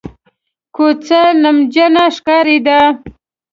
کوڅه نمجنه ښکارېده.